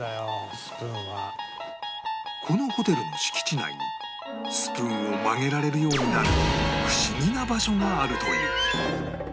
このホテルの敷地内にスプーンを曲げられるようになる不思議な場所があるという